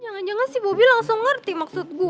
jangan jangan si bobi langsung ngerti maksud gue